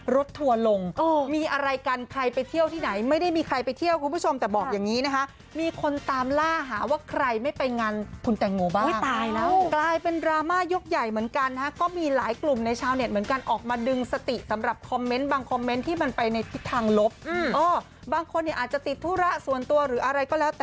ทัวร์ลงมีอะไรกันใครไปเที่ยวที่ไหนไม่ได้มีใครไปเที่ยวคุณผู้ชมแต่บอกอย่างนี้นะคะมีคนตามล่าหาว่าใครไม่ไปงานคุณแตงโมบ้างตายแล้วกลายเป็นดราม่ายกใหญ่เหมือนกันนะฮะก็มีหลายกลุ่มในชาวเน็ตเหมือนกันออกมาดึงสติสำหรับคอมเมนต์บางคอมเมนต์ที่มันไปในทิศทางลบบางคนเนี่ยอาจจะติดธุระส่วนตัวหรืออะไรก็แล้วแต่